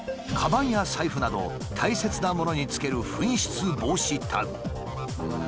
かばんや財布など大切なものにつける紛失防止タグ。